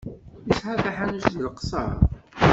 Yesɛa taḥanut deg Leqṣeṛ?